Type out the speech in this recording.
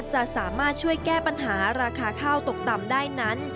จะสามารถช่วยแก้ปัญหาราคาข้าวตกต่ำได้นั้น